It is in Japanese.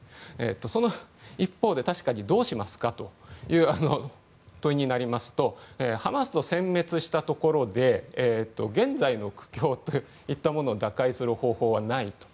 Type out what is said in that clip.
その一方で確かにどうしますかという問いになりますとハマスを殲滅したところで現在の苦境を打開する方法はないと。